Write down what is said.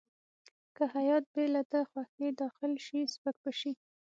که هیات بې له ده خوښې داخل شي سپک به شي.